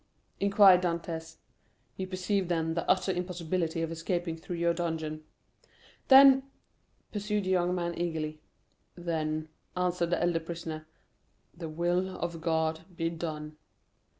inquired Dantès. "You perceive then the utter impossibility of escaping through your dungeon?" "Then——" pursued the young man eagerly. "Then," answered the elder prisoner, "the will of God be done!"